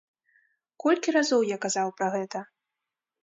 Колькі разоў я казаў пра гэта.